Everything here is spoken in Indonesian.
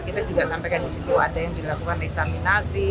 kita juga sampaikan di situ ada yang dilakukan eksaminasi